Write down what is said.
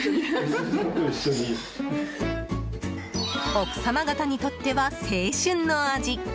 奥様方にとっては青春の味。